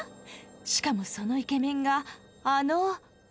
しかもそのイケメンがあの。